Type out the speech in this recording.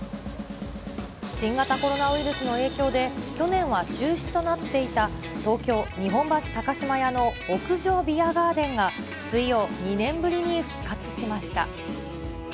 新型コロナウイルスの影響で、去年は中止となっていた東京・日本橋高島屋の屋上ビアガーデンが水曜、２年ぶりに復活しました。